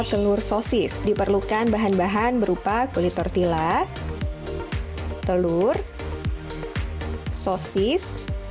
telur sosis diperlukan bahan bahan berupa kulit tortilla telur sosis